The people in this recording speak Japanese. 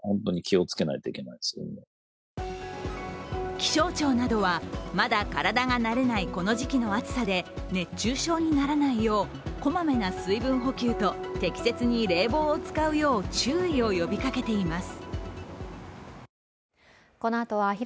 気象庁などはまだ体が慣れないこの時期の暑さで熱中症にならないよう、こまめな水分補給と適切に冷房を使うよう注意を呼びかけています。